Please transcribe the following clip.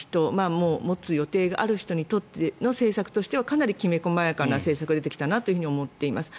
もう持つ予定がある人にとっての政策としてはかなりきめ細やかな政策が出てきたなと思っています。